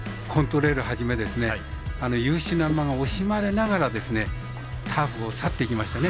レイルをはじめ優秀な馬が惜しまれながらターフを去っていきましたね。